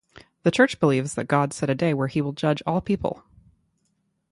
The church believes that God set a day where He will judge all people.